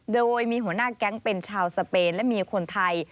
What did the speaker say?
โดยมีหัวหน้าแก๊งเป็นชาวสเปนและมีคนไทย